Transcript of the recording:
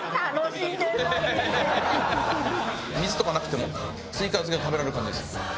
水とかなくても次から次へと食べられる感じです。